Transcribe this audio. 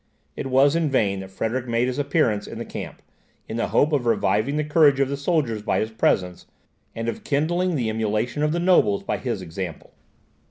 It was in vain that Frederick made his appearance in the camp, in the hope of reviving the courage of the soldiers by his presence, and of kindling the emulation of the nobles by his example.